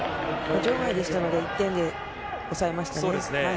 場外でしたので１点で抑えましたね。